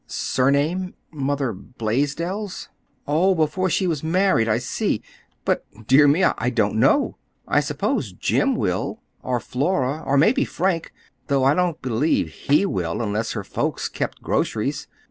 "Surname? Mother Blaisdell's? Oh, before she was married. I see. But, dear me, I don't know. I suppose Jim will, or Flora, or maybe Frank—though I don't believe he will, unless her folks kept groceries.